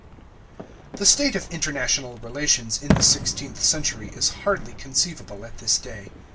The state of international relations in the sixteenth century is hardly conceivable at this day.